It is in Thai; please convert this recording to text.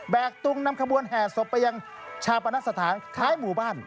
กตุงนำขบวนแห่ศพไปยังชาปนสถานท้ายหมู่บ้าน